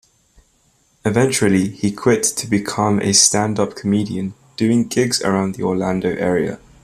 Eventually, he quit to become a stand-up comedian, doing gigs around the Orlando area.